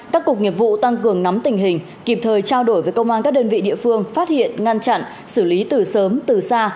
các cục nghiệp vụ tăng cường nắm tình hình kịp thời trao đổi với công an các đơn vị địa phương phát hiện ngăn chặn xử lý từ sớm từ xa